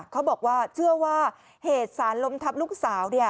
เขาบอกว่าเชื่อว่าเหตุสารล้มทับลูกสาว